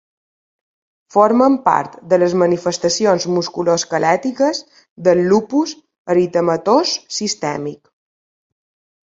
Formen part de les manifestacions musculoesquelètiques del lupus eritematós sistèmic.